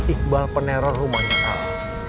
iqbal peneror rumahnya al keluarganya al